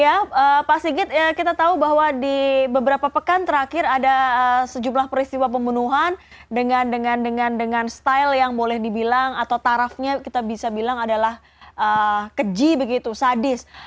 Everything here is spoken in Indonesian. ya pak sigit kita tahu bahwa di beberapa pekan terakhir ada sejumlah peristiwa pembunuhan dengan style yang boleh dibilang atau tarafnya kita bisa bilang adalah keji begitu sadis